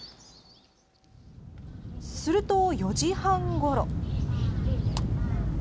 すると、４時半ごろ。